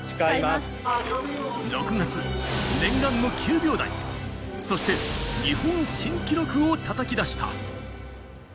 ６月念願の９秒台、そして日本新記録をたたき出した。